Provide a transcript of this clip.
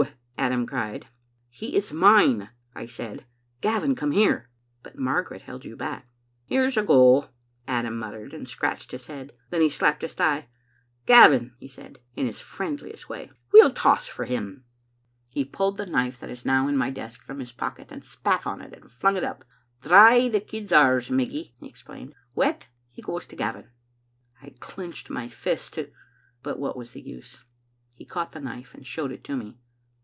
* Adam cried. "'He is mine,' I said. 'Gavin, come here.' But Margaret held you back. "'Here's a go,* Adam muttered, and scratched his head. Then he slapped his thigh. ' Gavin,' he said, in his friendliest way, 'we'll toss for him.* Digitized by VjOOQ IC store of tbe Dominie* 307 " He pulled the knife that is now in my desk from his pocket, spat on it, and flung it up. *Dry, the kid's ours, Meggy, ' he explained ;' wet, he goes to Gavin. * I clinched my fist to But what was the use? He caught the knife, and showed it to me.